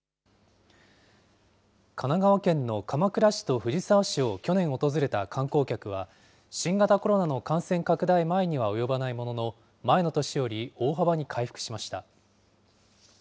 神奈川県の鎌倉市と藤沢市を去年訪れた観光客は、新型コロナの感染拡大前には及ばないものの、前の年より大幅に回復しました。